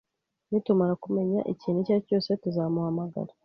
Nitumara kumenya ikintu icyo ari cyo cyose, tuzamuhamagara